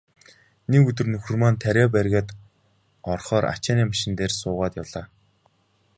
Нэг өдөр нөхөр маань тариа бригад орохоор ачааны машин дээр суугаад явлаа.